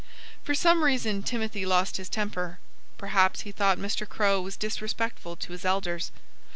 For some reason Timothy lost his temper. Perhaps he thought Mr. Crow was disrespectful to his elders.